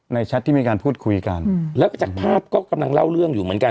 แชทที่มีการพูดคุยกันแล้วก็จากภาพก็กำลังเล่าเรื่องอยู่เหมือนกัน